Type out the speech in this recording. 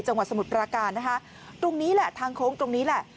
สมุทรปราการนะคะตรงนี้แหละทางโค้งตรงนี้แหละ